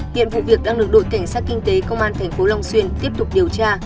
hiện vụ việc đang được đội cảnh sát kinh tế công an tp long xuyên tiếp tục điều tra